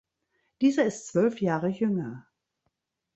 Dieser ist zwölf Jahre jünger.